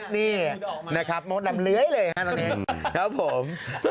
นี่นะครับมองแดดเล้วเลยครับตอนนี้ครับผม